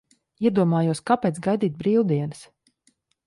Iedomājos, kāpēc gaidīt brīvdienas?